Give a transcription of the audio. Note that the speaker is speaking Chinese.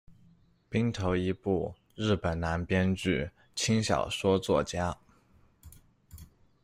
兵头一步，日本男编剧、轻小说作家。